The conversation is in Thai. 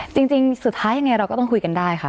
จริงสุดท้ายยังไงเราก็ต้องคุยกันได้ค่ะ